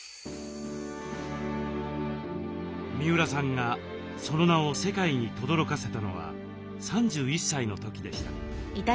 三浦さんがその名を世界にとどろかせたのは３１歳の時でした。